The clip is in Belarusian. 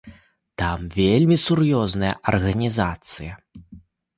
Там вельмі сур'ёзная арганізацыя.